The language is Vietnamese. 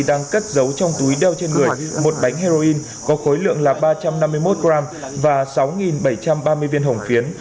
đang cất giấu trong túi đeo trên người một bánh heroin có khối lượng là ba trăm năm mươi một g và sáu bảy trăm ba mươi viên hồng phiến